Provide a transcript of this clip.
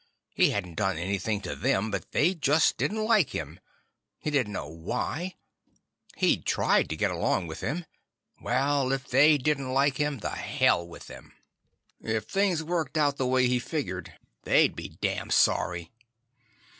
He hadn't done anything to them, but they just didn't like him. He didn't know why; he'd tried to get along with them. Well, if they didn't like him, the hell with them. If things worked out the way he figured, they'd be damned sorry.